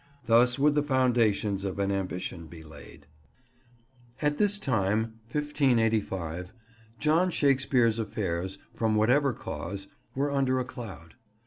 Thus would the foundations of an ambition be laid. At this time, 1585, John Shakespeare's affairs, from whatever cause, were under a cloud.